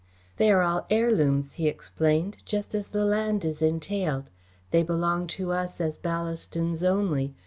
"They are all heirlooms," he explained, "just as the land is entailed. They belong to us as Ballastons only.